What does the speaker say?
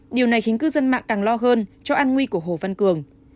điều này khiến cư dân mạng càng lo hơn cho an nguy của hồ văn cường